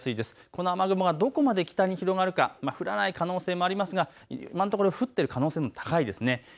この雨雲がどこまで北に広がるか、降らない可能性もありますが今のところ降っている可能性が高いです。